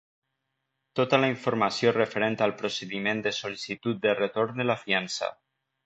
Tota la informació referent al procediment de sol·licitud de retorn de la fiança.